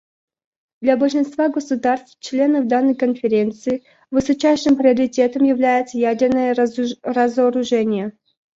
Для большинства государств − членов данной Конференции высочайшим приоритетом является ядерное разоружение.